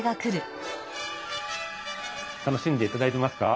楽しんでいただいてますか？